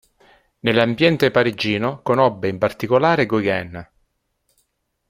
Nell'ambiente parigino conobbe in particolare Gauguin.